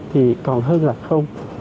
thì còn hơn là không